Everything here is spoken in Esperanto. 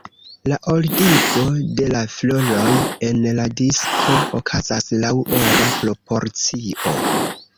La ordigo de la floroj en la disko okazas laŭ ora proporcio.